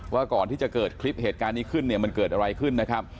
ว่าก่อนที่จะเกิดคลิปเหตุการณ์นี้ขึ้นเกิดอะไรขึ้น